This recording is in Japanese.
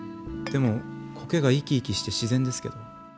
でも苔が生き生きして自然ですけど。